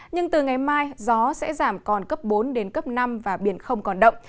nhưng từ ngày mai gió sẽ giảm còn cấp bốn đến cấp năm và biển không còn động